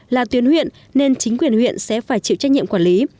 là tuyến huyện nên chính quyền huyện sẽ phải chịu trách nhiệm quản lý